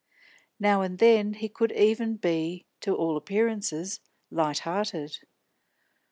Now and then he could even be, to all appearances, light hearted.